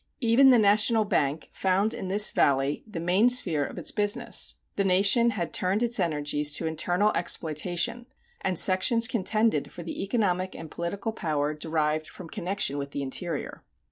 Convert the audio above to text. Even the National Bank found in this Valley the main sphere of its business. The nation had turned its energies to internal exploitation, and sections contended for the economic and political power derived from connection with the interior.